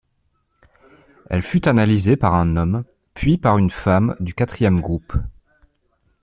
Elle fut analysée par un homme, puis par une femme du Quatrième groupe.